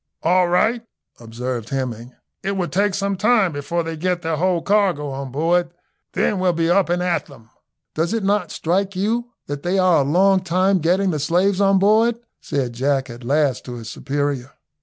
"All right," observed Hemming, "it will take some time before they get their whole cargo on board, then we'll be up and at them." "Does it not strike you that they are a long time getting the slaves on board?" said Jack at last to his superior.